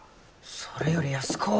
それより安子。